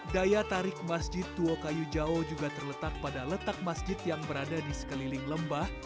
daya tarik masjid tua kayu jawa juga terletak pada letak masjid yang berada di sekeliling lembah